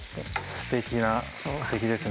すてきなすてきですね。